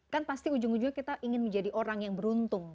kan pasti ujung ujungnya kita ingin menjadi orang yang beruntung